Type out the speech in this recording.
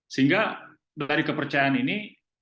sehingga dari kepercayaan ini